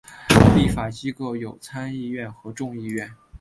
立法机构有参议院和众议院。